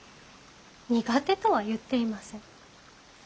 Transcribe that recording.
苦手とは言っていません。